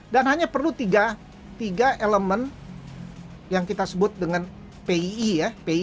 dan hanya perlu tiga elemen yang kita sebut dengan pii ya